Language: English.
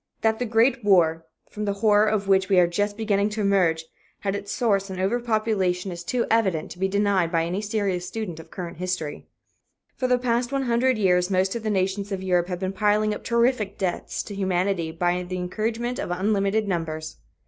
That the Great War, from the horror of which we are just beginning to emerge, had its source in overpopulation is too evident to be denied by any serious student of current history. For the past one hundred years most of the nations of Europe have been piling up terrific debts to humanity by the encouragement of unlimited numbers.